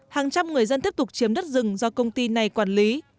hàng trăm người dân tiếp tục chiếm đất rừng do công ty này quản lý